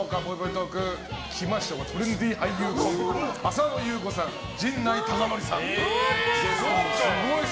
トークトレンディー俳優コンビ浅野ゆう子さん、陣内孝則さん。